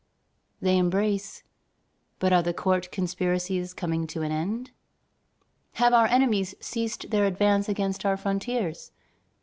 They embrace, but are the court conspiracies coming to an end? Have our enemies ceased their advance against our frontiers?